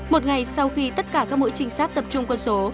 một ngày sau khi tất cả các mũi trinh sát tập trung quân số